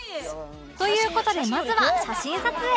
という事でまずは写真撮影